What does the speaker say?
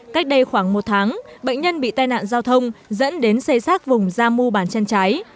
cách đây khoảng một tháng bệnh nhân bị tai nạn giao thông dẫn đến xây xác vùng giamu bàn chân trái